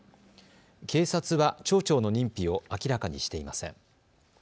警察は町長の認否を明らかにしていません。